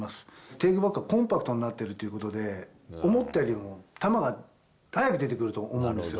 テークバックがコンパクトになっているということで、思ったよりも球が速く出てくると思うんですよ。